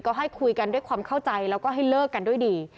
ก็ให้คุยกันด้วยความเข้าใจแล้วก็ให้เลิกกันด้วยดี